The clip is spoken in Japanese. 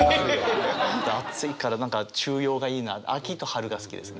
暑いから何か中庸がいいな秋と春が好きですね。